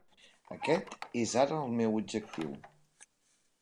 Aquest és ara el meu objectiu.